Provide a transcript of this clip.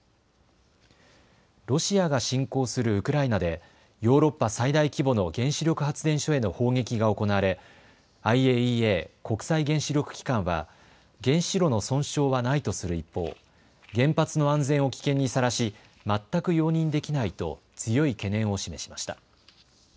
ロシアが侵攻するウクライナでヨーロッパ最大規模の原子力発電所への砲撃が行われＩＡＥＡ・国際原子力機関は原子炉の損傷はないとする一方、原発の安全を危険にさらし全く容認できないと強い懸念を示しました。